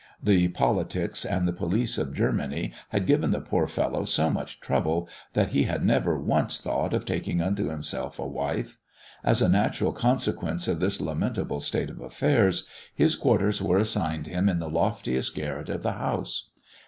The politics and the police of Germany had given the poor fellow so much trouble, that he had never once thought of taking unto himself a wife. As a natural consequence of this lamentable state of things, his quarters were assigned him in the loftiest garret of the house.